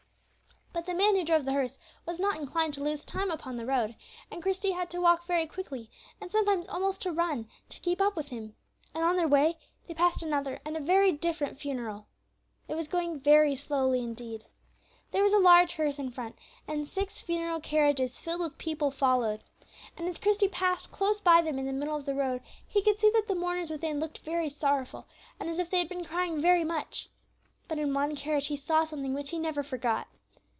But the man who drove the hearse was not inclined to lose time upon the road, and Christie had to walk very quickly, and sometimes almost to run, to keep up with him; and on their way they passed another and a very different funeral. It was going very slowly indeed. There was a large hearse in front, and six funeral carriages filled with people followed. And as Christie passed close by them in the middle of the road he could see that the mourners within looked very sorrowful, and as if they had been crying very much. But in one carriage he saw something which he never forgot.